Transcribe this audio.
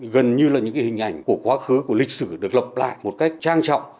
gần như là những hình ảnh của quá khứ của lịch sử được lập lại một cách trang trọng